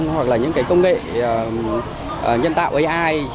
hoặc là những cái công nghệ nhân tạo ai